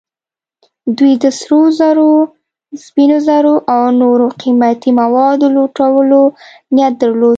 دوی د سرو زرو، سپینو زرو او نورو قیمتي موادو لوټلو نیت درلود.